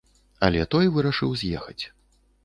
Але той вырашыў з'ехаць.